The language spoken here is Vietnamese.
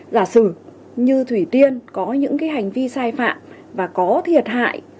giả sử như thủy tiên có những hành vi sai phạm và có thiệt hại